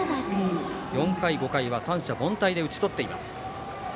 ４回、５回は三者凡退で打ち取っています。